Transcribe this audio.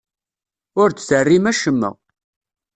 Ur d-terrim acemma.